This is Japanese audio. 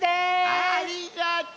ありがとう。